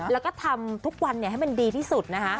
แล้วก็ทำทุกวันให้มันดีที่สุดนะคะ